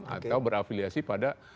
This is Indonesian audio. atau berafiliasi pada